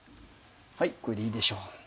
はいこれでいいでしょう。